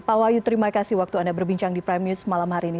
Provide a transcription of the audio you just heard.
pak wahyu terima kasih waktu anda berbincang di prime news malam hari ini